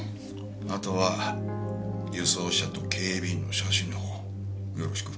あとは輸送車と警備員の写真の方よろしく。